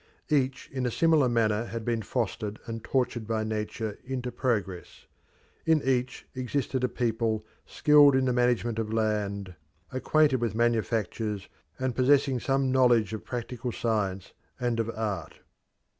Each in a similar manner had been fostered and tortured by Nature into progress; in each existed a people skilled in the management of land, acquainted with manufactures, and possessing some knowledge of practical science and of art.